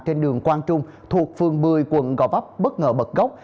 trên đường quang trung thuộc phường một mươi quận gò vấp bất ngờ bật gốc